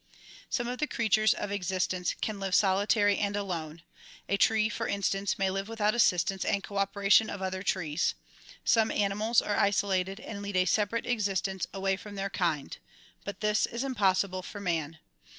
Some of the creatures of existence can live solitary and alone. A tree for instance ma}' live without assistance and cooperation of other trees. Some animals are isolated and lead a separate exist ence away from their kind. But this is impossible for man.